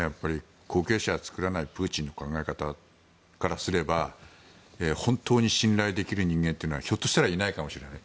後継者を作らないプーチンの考え方からすれば本当に信頼できる人間というのはひょっとしたらいないかもしれない。